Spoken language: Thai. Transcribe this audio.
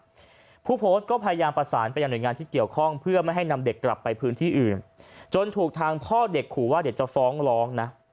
ผู้โพสต์ก็พยายามประสานไปยังหน่วยงานที่เกี่ยวข้องเพื่อไม่ให้นำเด็กกลับไปพื้นที่อื่นจนถูกทางพ่อเด็กขู่ว่าเดี๋ยวจะฟ้องร้องนะ